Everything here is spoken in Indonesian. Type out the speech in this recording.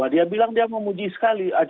dia bilang dia memuji sekali